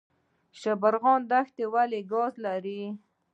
شبرغان دښتې ولې ګاز لري؟